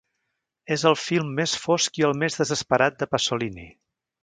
És el film més fosc i el més desesperat de Pasolini.